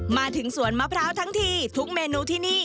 มาถึงสวนมะพร้าวทั้งทีทุกเมนูที่นี่